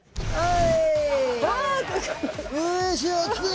はい。